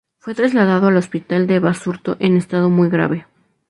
Fue trasladado al Hospital de Basurto en estado muy grave.